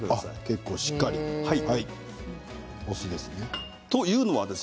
結構しっかりですね。